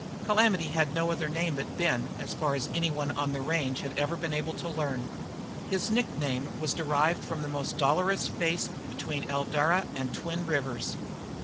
Calamity had no other name than Ben, as far as any one on the range had ever been able to learn. His nickname was derived from the most dolorous face between Eldara and Twin Rivers.